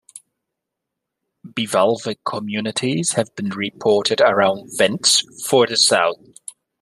Bivalve communities have been reported around vents further south.